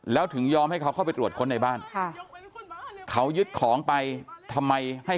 แล้วถึงยอมให้เขาเข้าไปตรวจค้นในบ้านเขายึดของไปทำไมให้